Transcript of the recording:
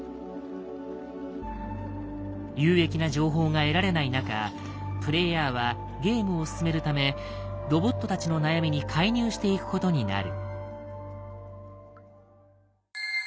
有益な情報が得られない中プレイヤーはゲームを進めるためロボットたちの悩みに介入していくことになる。